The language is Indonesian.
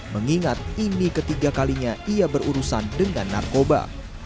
mengingat ini ketiga kalinya ia berurusan dengan narkoba